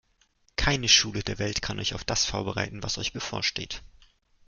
Keine Schule der Welt kann euch auf das vorbereiten, was euch bevorsteht.